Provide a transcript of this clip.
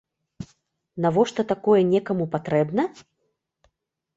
Навошта такое некаму патрэбна?